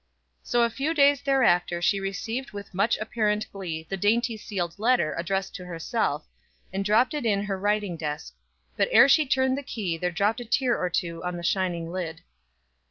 So a few days thereafter she received with much apparent glee the dainty sealed letter addressed to herself, and dropped it in her writing desk, but ere she turned the key there dropped a tear or two on the shining lid.